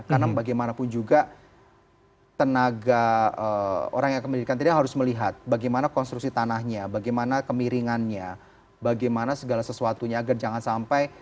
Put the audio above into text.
karena bagaimanapun juga tenaga orang yang akan mendirikan tenda harus melihat bagaimana konstruksi tanahnya bagaimana kemiringannya bagaimana segala sesuatunya agar jangan sampai